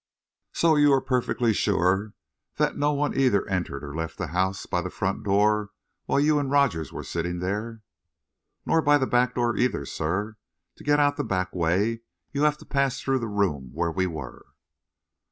"So you are perfectly sure that no one either entered or left the house by the front door while you and Rogers were sitting there?" "Nor by the back door either, sir; to get out the back way, you have to pass through the room where we were."